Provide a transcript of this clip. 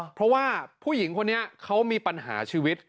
เพราะว่าผู้หญิงคนนี้เขามีปัญหาชีวิต